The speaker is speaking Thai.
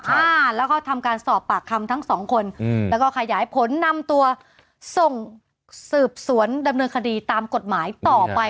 อ่าแล้วก็ทำการสอบปากคำทั้งสองคนอืมแล้วก็ขยายผลนำตัวส่งสืบสวนดำเนินคดีตามกฎหมายต่อไป